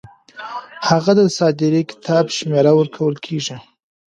هغه ته د صادرې کتاب شمیره ورکول کیږي.